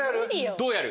どうやる？